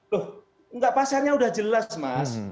loh enggak pasalnya sudah jelas mas